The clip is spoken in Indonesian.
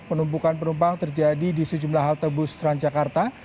penumpukan penumpang terjadi di sejumlah halte bus transjakarta